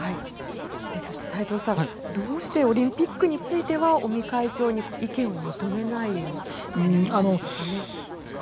そして、太蔵さんどうしてオリンピックについては尾身会長に意見を求めないんでしょうかね。